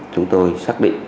chúng tôi xác định